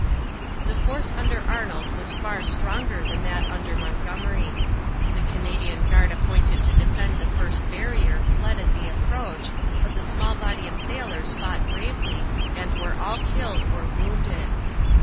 The force under Arnold was far stronger than that under Montgomery. The Canadian guard appointed to defend the first barrier fled at the approach, but the small body of sailors fought bravely and were all killed or wounded.